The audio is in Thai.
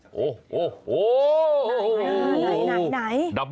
โอ้โหโอ้โหโอ้โหโอ้โห